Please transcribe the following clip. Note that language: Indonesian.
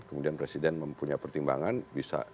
kemudian presiden mempunyai pertimbangan bisa